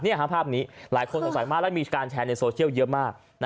นี่ภาพนี้หลายคนสงสัยมากแล้วมีการแชร์ในโซเชียลเยอะมาก